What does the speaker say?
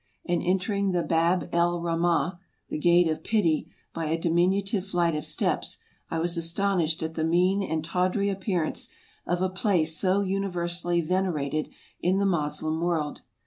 And entering the Bab el Rahmah— the Gate of Pity — by a diminutive flight of steps, I was astonished at ASIA 247 the mean and tawdry appearance of a place so universally venerated in the Moslem world.